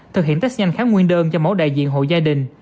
thực hiện test nhanh kháng nguyên đơn cho mẫu đại diện hộ gia đình